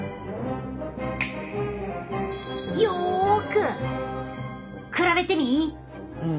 よく比べてみい！